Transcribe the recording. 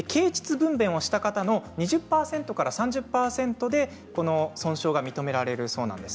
分べんをした方の２０％から３０％で損傷が認められそうです。